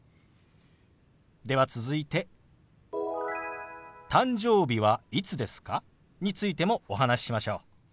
では続いて「誕生日はいつですか？」についてもお話ししましょう。